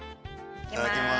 いただきます。